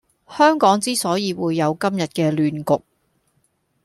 香港之所以會有今日既亂局